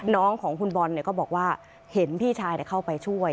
น้องของคุณบอลก็บอกว่าเห็นพี่ชายเข้าไปช่วย